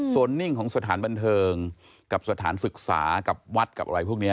ส่วนนิ่งของสถานบันเทิงกับสถานศึกษากับวัดกับอะไรพวกนี้